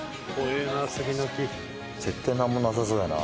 絶対なんもなさそうだよな